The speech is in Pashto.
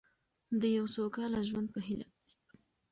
د یو سوکاله ژوند په هیله.